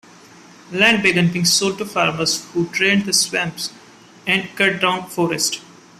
Land began being sold to farmers who drained the swamps and cut down forests.